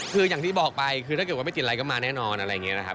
คืออย่างที่บอกไปคือถ้าเกิดว่าไม่ติดอะไรก็มาแน่นอนอะไรอย่างนี้นะครับ